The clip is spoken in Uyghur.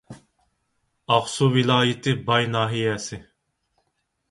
ئاقسۇ ۋىلايىتى باي ناھىيەسى